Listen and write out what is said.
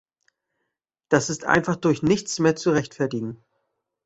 Das ist einfach durch nichts mehr zu rechtfertigen.